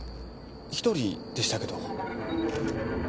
１人でしたけど。